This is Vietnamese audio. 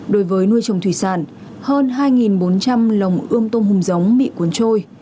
đối với nuôi trồng thủy sản hơn hai bốn trăm linh lồng ươm tôm hùm giống bị cuốn trôi